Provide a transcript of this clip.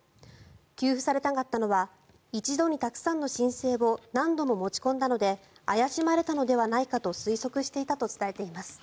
給付されなかったのは一度にたくさんの申請を何度も持ち込んだので怪しまれたのではないかと推測していたと伝えています。